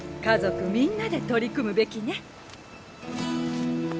家族みんなで取り組むべきね。